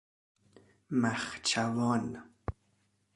مخچوان